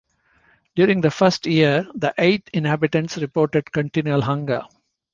During the first year the eight inhabitants reported continual hunger.